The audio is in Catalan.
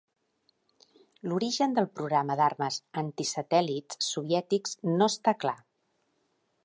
L'origen del programa d'armes antisatèl.lits soviètics no està clar.